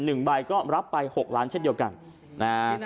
หนึ่งใบก็รับไปหกล้านเช่นเดียวกันนะฮะ